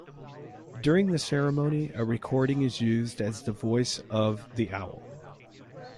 During the ceremony, a recording is used as the voice of The Owl.